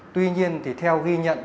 tuy nhiên thì theo ghi nhận